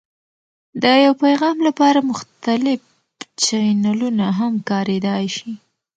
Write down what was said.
د یو پیغام لپاره مختلف چینلونه هم کارېدای شي.